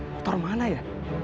betul mana ya